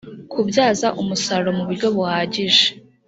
kubyaza umusaruro mu buryo buhagije